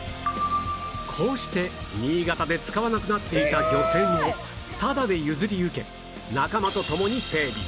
こうして新潟で使わなくなっていた漁船をタダで譲り受け仲間と共に整備